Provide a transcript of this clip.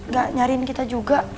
gak nyariin kita juga